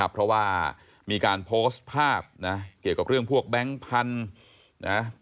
เพราะว่ามีการโพสต์ภาพนะเกี่ยวกับเรื่องพวกแบงค์พันธุ์นะ